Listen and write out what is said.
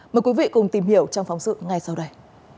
mời quý vị cùng tìm hiểu trong phóng sự ngay sau đây